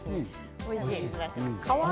おいしい！